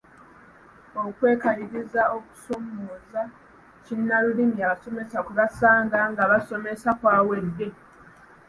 Okwekaliriza okusoomooza kinnalulimi abasomesa kwe basanga nga basomesa kwawedde.